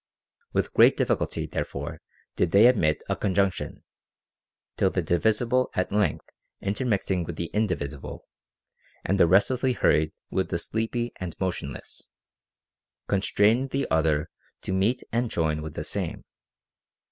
With great difficulty therefore did they admit a conjunction, till the divisible at length intermixing with the indivisible, and the restlessly hurried with the sleepy and motionless, constrained the Other to meet and join with the Same.